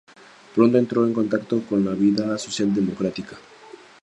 Pronto entró en contacto con la vida social democrática.